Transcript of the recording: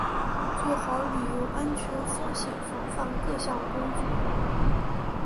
做好旅游安全风险防范各项工作